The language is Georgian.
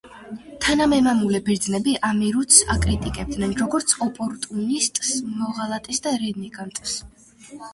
თანამემამულე ბერძნები ამირუცს აკრიტიკებდნენ, როგორც ოპორტუნისტს, მოღალატეს და რენეგატს.